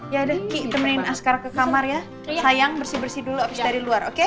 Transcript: ya udah ki temenin askar ke kamar ya sayang bersih bersih dulu abis dari luar oke